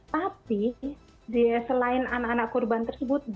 tapi selain anak anak korban tersebut